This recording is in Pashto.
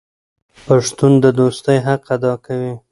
پښتون د دوستۍ حق ادا کوي.